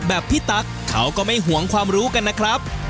แล้วก็สองก็คือโรคขี้เปื่อยหางเปื่อยเหือกเปื่อยพวกเนี้ยครับ